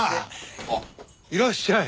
あっいらっしゃい。